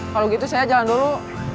kalau gitu saya jalan dulu